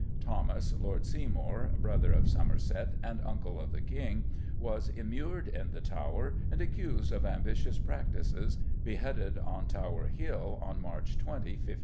Thomas, Lord Seymour, brother of Somerset and uncle of the King, was immured in the Tower, and, accused of ambitious practices, beheaded on Tower Hill on March 20, 1549.